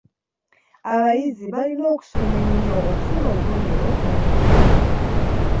Abayizi balina okusoma ennyo okufuna obubonero obulungi.